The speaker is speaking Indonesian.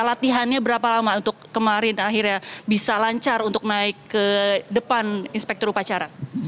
latihannya berapa lama untuk kemarin akhirnya bisa lancar untuk naik ke depan inspektur upacara